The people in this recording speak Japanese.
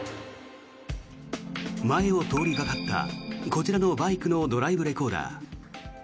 前を通りがかったこちらのバイクのドライブレコーダー。